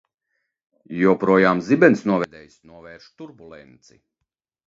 Joprojām zibensnovedējs novērš turbulenci.